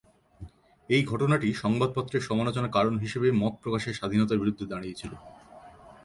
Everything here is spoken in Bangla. এই ঘটনাটি সংবাদপত্রের সমালোচনার কারণ হিসাবে মত প্রকাশের স্বাধীনতার বিরুদ্ধে দাঁড়িয়েছিল।